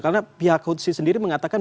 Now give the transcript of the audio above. karena pihak hotsi sendiri mengatakan